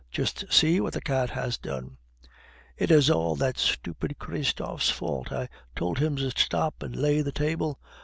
"Just see what the cat has done!" "It is all that stupid Christophe's fault. I told him to stop and lay the table.